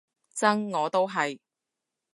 真，我都係